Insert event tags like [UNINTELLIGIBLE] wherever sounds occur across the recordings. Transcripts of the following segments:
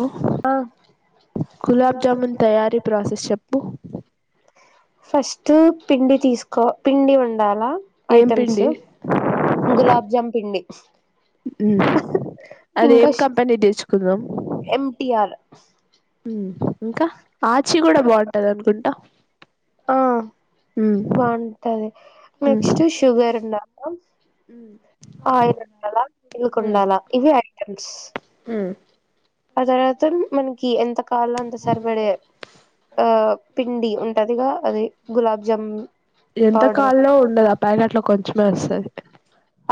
హొ ఆ గులాబ్జామున్ తయారీ ప్రాసెస్ చెప్పు ఫస్ట్ పిండి తీసుకో పిండి ఉండాలా ఏం పిండి గులాబ్జామ్ పిండి హు మ్ ఇంకా అదేం కంపెనీ తీసుకుందం ఎంటిఆర్ హు మ్ ఇంకా ఆచి గూడా బాగుంటది అనుకుంటా ఆ ఉమ్, బాగుంటది ఉమ్, నెక్స్ట్ షుగర్ ఉండాలా ఆయిల్ ఉండాల ఉమ్, ఇల్కుండాలా ఇవి ఐటెమ్స్ ఉమ్. ఆ తర్వాత మనకి ఎంత కావలో అంత సరిపడే ఆ పిండి ఉంటదిగా అదే గులాబ్ జామున్ ఎంత కాల్లో ఉండదు ఆ ప్యాకెట్ లో కొంచమే వస్తది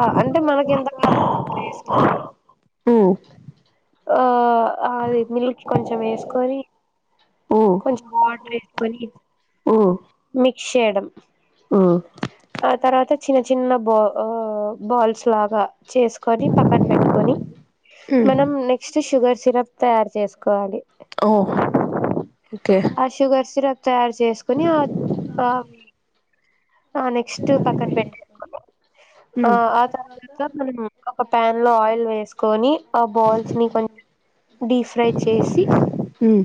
ఆ అంటే మనకి ఎంత [UNINTELLIGIBLE] ఉమ్, ఆ అది మిల్క్ కొంచెం వేసుకొని ఉమ్, కొంచెం వాటర్ వేసుకొని ఉమ్, మిక్స్ చేయడం ఉమ్, అద్ తర్వాత చిన్న చిన్న బా అ బాల్స్ లాగా చేసుకొని పక్కన పెట్టుకొని ఉమ్, మనం నెక్స్ట్ షుగర్ సిరప్ తయారు చేసుకోవాలి ఓ ఓకే ఆ షుగర్ సిరప్ తయారు చేసుకుని ఆ ఆ ఆ నెక్స్ట్ పక్కన పెట్టేసుకొని ఆ ఉమ్. ఆ తర్వాత మనం ఒక ప్యాన్ లో ఆయిల్ వేసుకొని ఆ బాల్స్ ని కొంచం డీఫ్రై చేసి హు మ్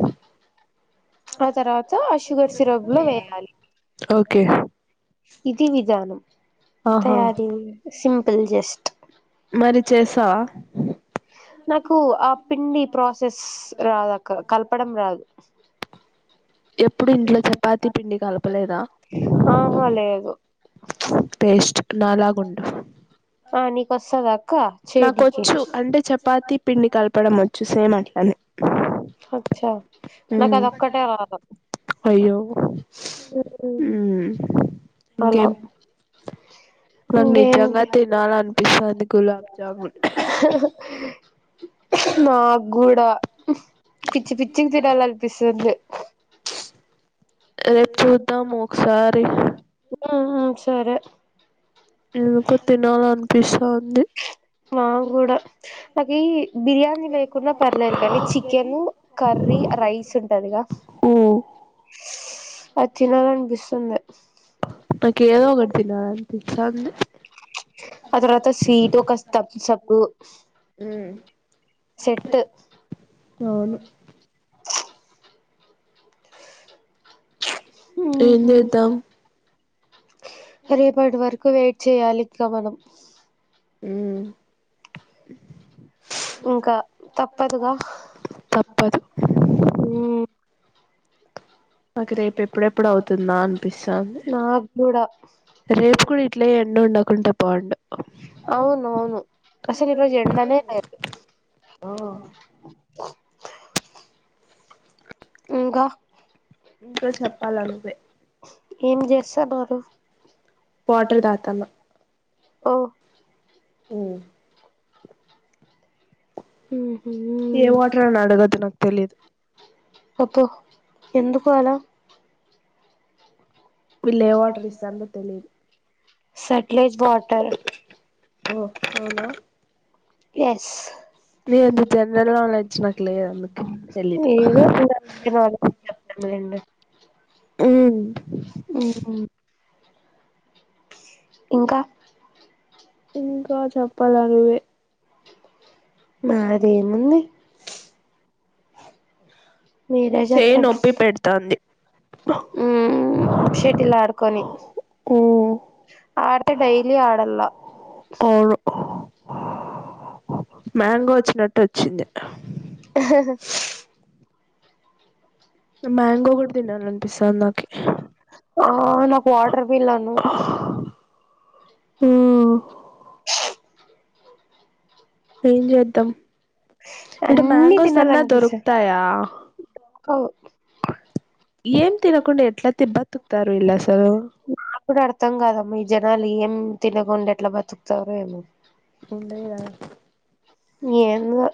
ఆ తర్వాత ఆ షుగర్ సిరప్ లో వేయాలి ఓకే ఇది విధానం ఆహా తయారీ సింపుల్ జస్ట్ మరి చేసావా నాకు ఆ పిండి ప్రాసెస్ రాదాక్క కలపడం రాదు ఎప్పుడు ఇంట్లో చపాతి పిండి కలపలేదా ఆ అ లేదు నాలాగ ఉండు ఆ నీకు వస్తాద క్ నాకొచ్చు అంటే చపాతి పిండి కలపడం వొచ్చు సేమ్ అట్లనే అచ్చా నాకు అది ఒక్కటే రాదు అయ్యో హు మ్ అలా ఇంకేం నాక్ నిజంగా ఇంకేంటి తినాలి అనిపిస్థంది గులాబ్ జమున్ నాకు కూడా పిచ్చి పిచ్చిగ తినాలి అనిపిస్తుం ద్ రేపు చూద్దాము ఒకసారి మ్ హు సరే ఎందుకో తినాలి అనిపిస్త మాకూడా నాకి బిర్యానీ లేకుంన్న పర్లేదు కానీ చికెను కర్రీ రైస్ ఉంటదిగా ఓ అది తినాలనిపిస్తుంది నాకు ఏదో ఒకటి తినాలిపిస్తంది ఆ తర్వాత స్వీట్ ఒక స్ తంసప్ సెట్టు అవును హు ఏం మ్ చేద్దాం రేపటి వరకు వెయిట్ చేయాలి ఇంకా మనం మ్మ్ ఇంకా తప్పదుగా తప్పదు మ్ నాకు రేపు ఎప్పుడెప్పుడు అవుతుందా అనిపిస్తాంది నాకు కూడా రేపు కూడా ఇట్ల ఎండ ఉండకుంటే బాగుండు అవును అవును అసలు ఈరోజు ఎండనేలేదు ఆ ఇంకా ఇంకా చెప్పాలా నువ్వే ఏం చేస్తన్నారు వాటర్ తాతన్న ఓ ఊ మ్ ఏ వాటర్ అని అడగొద్దు నాకు తెలీదు అబ్బో ఎందుకు అలా పిళ్ళ ఏ వాటర్ ఇస్థాందో తెలియదు సట్లైజ్ వాటర్ ఓ అవునా ఎస్ నీది జనరల్ నాలెడ్జ్ నాకు లేదు అందుకే తెలీదు ఎదో ఇంగ ఇవాళ ఊ హ్మ్మ్ ఇంకా ఇంకా చెప్పాల నువ్వె నాదేముంది మీరే చేయి జేప్పండి నొప్పి పెడతాంది ఉమ్ శెటిల్ ఆడుకొని ఓ ఆడతే డైలీ ఆడన అవును మ్యాంగో వచ్చినట్టు ఒచ్చింది మ్యాంగో గూడ తినాలనిపిస్తాంది నాకీ ఒహ్ నాకు వాటర్ మిల్లిను ఏం చేద్దాం ఇడ అన్నీ మ్యాంగోస్ అన్నా తినాలనిపిస్తది దొరుకుతాయా కవ్ ఏం తినకుండ ఎట్లా తిన్ బతుకుతారు వీళ్ళు అసలు ఏప్పుడు అర్థం కాదమ్మా ఈ జనాలు ఏం తినకుండ ఎట్ల బతుకుతారో ఏమో ఉండదు గదా ఏమో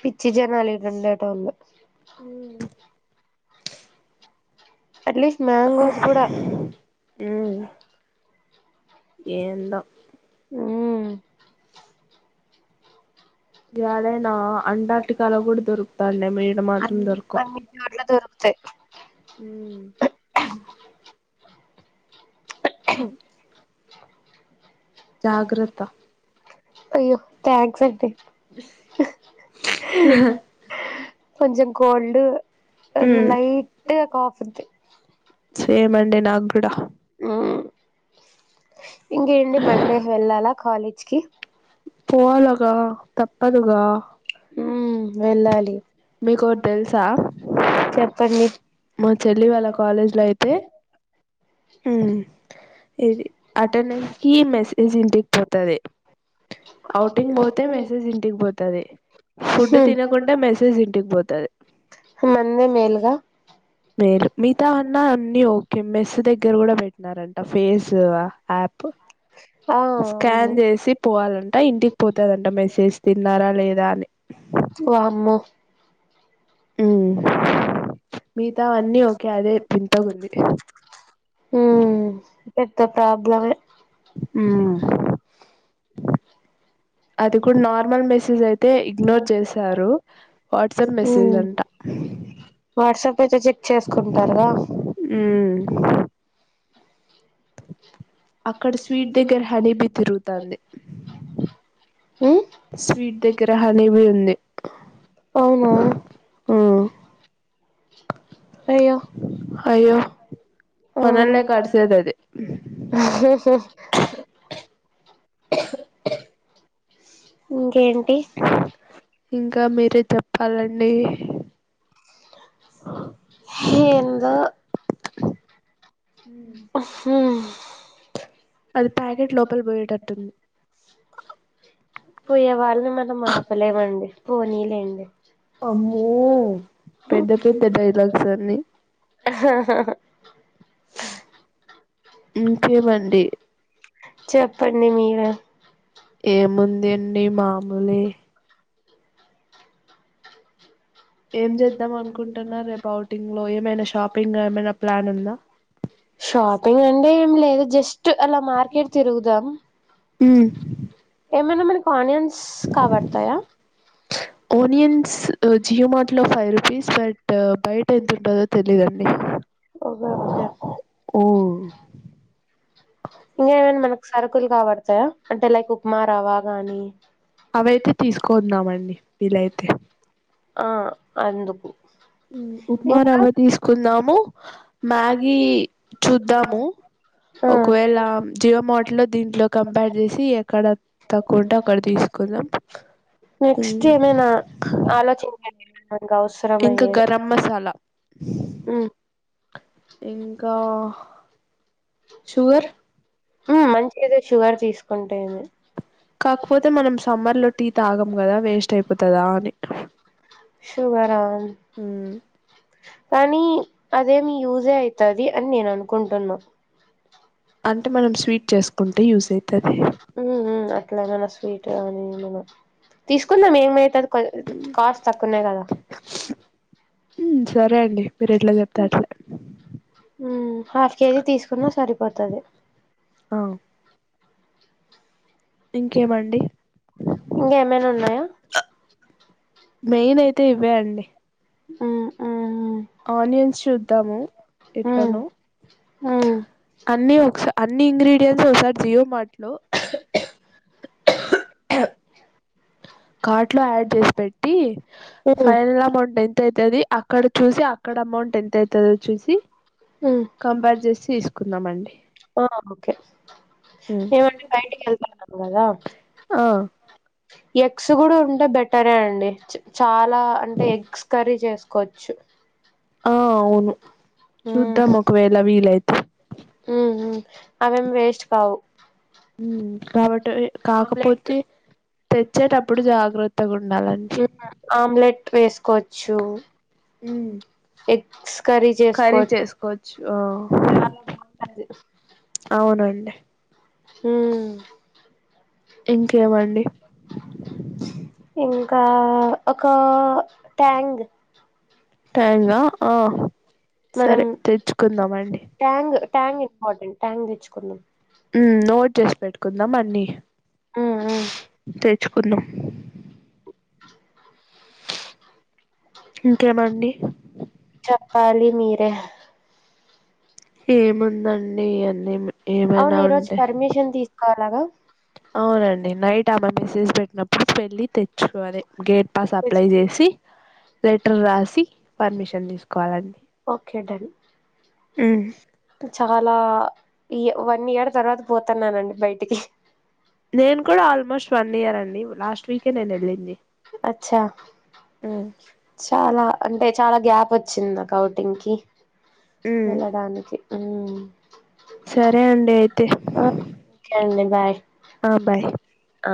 పిచ్చి జనాల్ ఏడున్దేటోలు అట్లీస్ట్ మ్యాంగోస్ గూడా మ్మ్ ఏందో ఉమ్ యాదైనా అంటార్టికాలో గూడా దొరుకుతాండే ఈడ మాత్రం దొరకవ్ అట్ల దరుకుతయ్ హ్మ్ జాగ్రత్త అయ్యో థాంక్స్ అండి కొంచం కోల్డ్ మ్మ్ లైట్ గా కాఫుంది సేమ్ అండి నాగూడ ఉమ్ ఇంకేంటి మండే హెళ్ళాలా కాలేజ్కి పోవాలగా తప్పదుగా హ్మ్ వెళ్ళాలి మీకోటి తెలుసా చెప్పండి మా చెల్లి వాళ్ళ కాలేజ్ లో అయితే హ్మ్ ఇది అటెండెన్స్ ఈ మెసేజ్ ఇంటిక్ పోతది ఔటింగ్ పోతే మెసేజ్ ఇంటికి పోతది ఫుడ్ తినకుంటె మెసేజ్ ఇంటికి పోతది మంది మేలు మేరు మిగతా అన్న అన్ని ఓకే మెస్ దగ్గర గూడా పెట్ న్నారంట ఫేస్ అ యాప్ ఆ అవును స్కాన్ చేసి పోవాలంట ఇంటికి పోతదంట మెసేజ్ తిన్నారా లేద్ రాలె వామ్మో ఉమ్ మిగతావన్నీ ఓకే అదే వింతగుంది ఉమ్ త ప్రాబ్లమే హు మ్ అది కూడా నార్మల్ మెసేజయితే ఇగ్నోర్ చేశారు వాట్సాప్ మెసేజ్ మ్మ్ అంట వాట్సాప్ అయితే చెక్ చేసుకుంటారుగా ఉమ్ అక్కడ స్వీట్ దగ్గర హనీబి తిరుగుతాంది స్వీట్ దగ్గర హానిబి ఉంది అవునా ఆ అయ్యో అయ్యో ఆ మనల్నే కరిసేది అది బ్లాంక్ ఇంకేంటి ఇంకా మీరే చెప్పాలండి ఏందొ ఉహు అది ప్యాకెట్ లోపల పోయేటట్టుంది పోయే వాళ్ళని మనం ఆపలేమండి పోనీలేండి అమ్మో పెద్ద పెద్ద డైలాగ్స్ అన్ని బ్లాంక్ బ్లాంక్ ఇంకేమండి చెప్పండి మీరే ఏముంది అండి మాములే ఏం చేద్దాం అనుకుంటున్నరు రేపు ఔటింగ్ లో ఏమైనా షాపింగ్ ఏమైనా ప్లాన్ ఉందా షాపింగ్ అంటే ఏం లేదు జస్ట్ అలా మార్కెట్ తిరుగుదాం మ్ ఏమైన మనకి ఆనియన్స్ కాబడుతాయా ఓనియన్స్ జియో మార్టులో ఫైవ్ రూపీస్ బట్ బయట ఎంత ఉంటదో తెలిదండి ఓకే ఓకే ఓ ఇంగా ఏమైనా మనకు సరుకులు కాబడతాయా అంటే లైక్ ఉప్మా రవ్వ గాని అవైతే తీసుకొందామండి వీలైతే ఆ అందుకు మ్ ఉప్మా ఇంకా రవ్వ తీసుకుందాము మ్యాగీ చూద్దాము ఒకవేళ ఆ జియో మాట్లో దీంట్లో కంపేర్ చేసి ఎక్కడ తక్కువ ఉంటే అక్కడ తీసుకుందాం నెక్స్ట్ ఏమైనా ఆలోచించండి [UNINTELLIGIBLE] ఇంక గరం మసాలా మ్ ఇంకా షుగర్ మంచిదే షుగర్ తీసుకుంటేంది కాకపోతే మనం సమ్మర్ లో టీ తాగం కదా వేస్ట్ అయిపోతదా అని షుగరా కానీ అదేమి యూజే అయితది అని నేను అనుకుంటున్నా అంటే మనం స్వీట్ చేసుకుంటే యూజైతది మ్మ్ అట్లా ఎమన్నా స్వీట్ కానీ ఏమన్నా తీసుకుందాం ఏమయితది కొం కాస్ట్ తక్కువనే కదా సరే అండి మీరు ఎట్లా బ్లాంక్ చెప్తే అట్లా హుమ్ హాఫ్ కేజీ తీసుకున్న సరిపోతది ఇంకేమండి ఇంకా ఏమైనా ఉన్నాయా మెయిన్ అయితే ఇవే అండి ఆ ఆ ఆనియన్స్ చూదాం ఉమ్ ఎట్లనో ఉమ్ అన్ని ఒకస అన్ని ఇంగ్రీడియంంట్స్ ఒకసారి జియో మార్ట్ లో ఆ కార్ట్ లో యాడ్ చేసి పెట్టి ఉమ్ ఫైనల్ అమౌంట్ ఎంతైం తది అక్కడ చూసి అక్కడ అమౌంట్ ఎంతైతదో చూసి ఉమ్ కంపేర్ చేసి తీస్కునమ్మండి ఏవండీ బైటకి వెళ్తానానరకదా ఆ ఎగ్స్ కూడా ఉంటే బెటరే అండి చాలా అంటే ఎగ్స్ కర్రీ చేసుకోవచ్చు ఆ అవును ఉమ్ చూద్దాం ఒకవేళ అవి ఫీలైతే ఉమ్ ఉమ్ అవేం వేస్ట్ కావు ఉమ్ కాబట్టి ఆమ్లెట్ కాకపోతే తెచ్చేటప్పుడు జాగ్రత్తగా ఉండాలండి ఆమ్లెట్ వేసుకోవచ్చు ఉమ్ ఎ కర్రీ చేసుకోవచ్చు ఆ అవునండి హ్మ్మ్ ఇంకేమండి ఇంకా ఒక ట్యాంగ్ ట్యాంగా ఆ మనం సరే తెచ్చుకుందామండి ట్యాంగ్ ట్యాంగ్ ఇంపార్టెంట్ ట్యాంగ్ తెచ్చుకుందాం హ్మ్మ్ ఉ నోట్ చేసి పెట్టుకుందాం అన్ని హ్మ్ హ్మ్ చ్చుకుందాం ఇంకేమండి కాళి మీర ఏముందండి అన్నీ ఏమైనా అవును ఈరోజు ఉంటే పర్మిషన్ తీసుకోవాలగా అవునండి నైట్ ఆమె మెసేజ్ పెట్టినప్పుడు వెళ్ళి తెచ్చుకోవలి గేట్ పాస్ అప్లై చేసి లెటర్ రాసి పర్మిషన్ తీసుకోవాలండి ఓకే డన్ ఉమ్ చాలా వన్ ఇయర్ తర్వాత పోతున్నానండి బయటికి నేను కూడా ఆల్మోస్ట్ వన్ ఇయర్ అండి లాస్ట్ వీకే నేను వెళ్ళింది అచ్చా ఉమ్ చాలా అంటే చాలా గ్యాప్ వచ్చింది ఔటింగ్ కి ఉమ్ వెళ్ళడానికి ఉమ్ సరే అండి అయితే ఓకే అండి బాయ్ ఆ బాయ్ ఆ